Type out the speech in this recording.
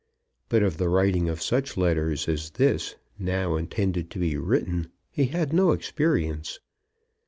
But of the writing of such letters as this now intended to be written he had no experience.